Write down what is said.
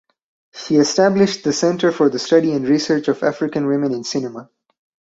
She established the Centre for the Study and Research of African Women in Cinema.